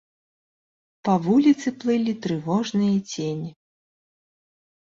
Па вуліцы плылі трывожныя цені.